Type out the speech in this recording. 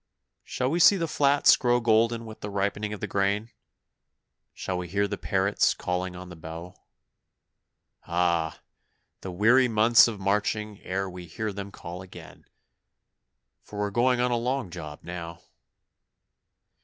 Shall we see the flats grow golden with the ripening of the grain? Shall we hear the parrots calling on the bough? Ah! the weary months of marching ere we hear them call again, For we're going on a long job now.